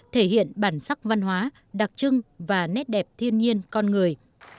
thể hiện bản sắc văn hóa đặc trưng và nét đẹp thiên nhiên con người